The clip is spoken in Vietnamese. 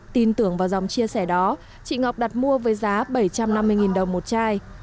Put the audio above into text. tin tưởng vào dòng chia sẻ đó chị ngọc đặt mua với giá bảy trăm năm mươi đồng một chai